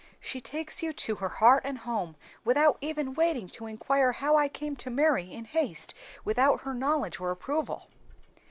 "She takes you to her heart and home without even waiting to inquire how I came to marry in haste without her knowledge or approval."